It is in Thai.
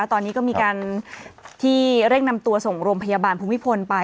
ตอนนี้ก็มีการที่เร่งนำตัวส่งโรงพยาบาลภูมิพลไป